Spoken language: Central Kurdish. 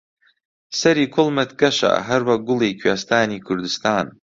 سەری کوڵمت گەشە هەروەک گوڵی کوێستانی کوردستان